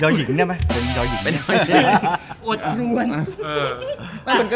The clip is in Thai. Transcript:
ยอหญิงได้ไหมยอหญิงไม่ได้